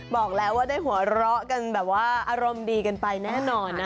บอกแล้วว่าได้หัวเราะกันแบบว่าอารมณ์ดีกันไปแน่นอนนะ